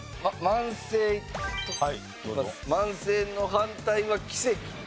慢性の反対は奇跡？